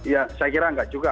ya saya kira enggak juga